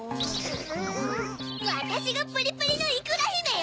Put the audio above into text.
わたしがプリプリのいくらひめよ！